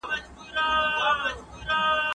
دي غونډي به د نړيوالې ټولنې باور بېرته ترلاسه کړی وي.